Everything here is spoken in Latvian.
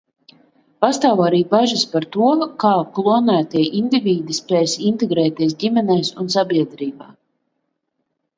Pastāv arī bažas par to, kā klonētie indivīdi spēs integrēties ģimenēs un sabiedrībā.